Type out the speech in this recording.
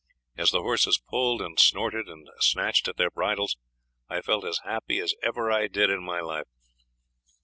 As the horses pulled and snorted and snatched at their bridles I felt as happy as ever I did in my life.